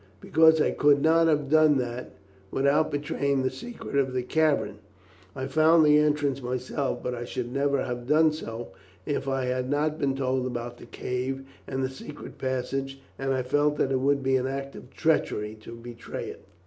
"Because I could not have done that without betraying the secret of the cavern. I found the entrance myself, but I should never have done so, if I had not been told about the cave and the secret passage, and I felt that it would be an act of treachery to betray it."